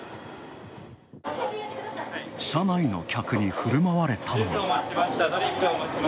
車内の客にふるまわれたのは。